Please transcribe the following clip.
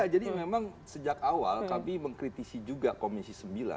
ya jadi memang sejak awal kami mengkritisi juga komisi sembilan